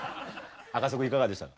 赤楚君いかがでしたか？